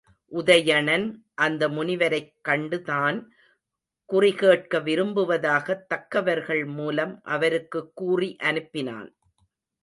உதயணன் அந்த முனிவரைக் கண்டு தான் குறிகேட்க விரும்புவதாகத் தக்கவர்கள் மூலம் அவருக்குக் கூறி அனுப்பினான்.